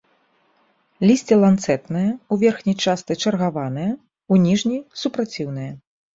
Лісце ланцэтнае, у верхняй частцы чаргаванае, у ніжняй супраціўнае.